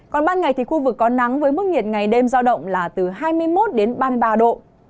còn ban ngày thì khu vực có nắng với mức nhiệt ngày đêm giao động là từ hai mươi một đến ba mươi ba độ